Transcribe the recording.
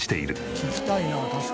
聞きたいな。